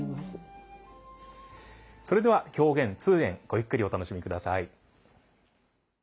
それでは狂言「通圓」ごゆっくりお楽しみください。